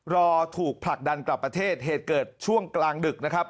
รอถูกผลักดันกลับประเทศเหตุเกิดช่วงกลางดึกนะครับ